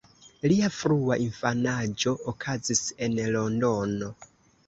Lia frua infanaĝo okazis en Londono.